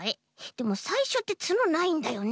でもさいしょってつのないんだよね？